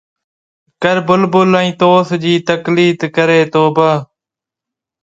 ڪر بلبل ۽ طوس جي تقليد ڪري توبه